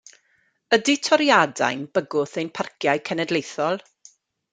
Ydi toriadau'n bygwth ein Parciau Cenedlaethol?